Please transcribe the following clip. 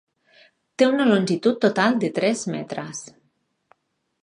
Té una longitud total de tres metres.